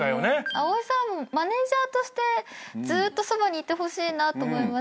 葵生さんマネジャーとしてずっとそばにいてほしいなと思いましたね。